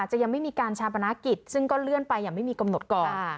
ยังไม่มีการชาปนากิจซึ่งก็เลื่อนไปอย่างไม่มีกำหนดก่อน